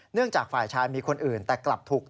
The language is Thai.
จากฝ่ายชายมีคนอื่นแต่กลับถูก